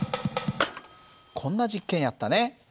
こんな実験やったね。